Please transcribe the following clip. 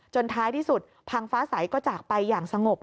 ท้ายที่สุดพังฟ้าใสก็จากไปอย่างสงบ